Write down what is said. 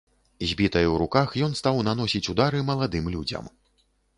З бітай у руках ён стаў наносіць удары маладым людзям.